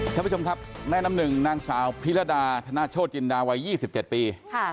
ท่านผู้ชมครับแม่น้ำหนึ่งนางสาวพิรดาธนโชธจินดาวัย๒๗ปี